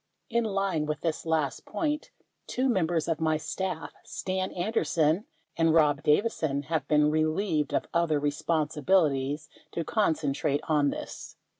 In line with this last point, two members of my staff (Stan Anderson and Rob Davison) have been relieved of other re sponsibilities to concentrate on this.